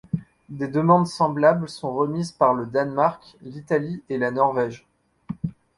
Des demandes semblables sont remises par le Danemark, l'Italie et la Norvège.